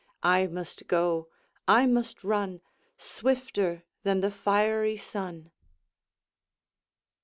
I must go, I must run, Swifter than the fiery sun.